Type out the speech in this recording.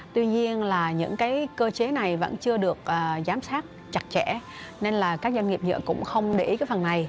tuy nhiên những cơ chế này vẫn chưa được giám sát chặt chẽ nên các doanh nghiệp nhựa cũng không để ý phần này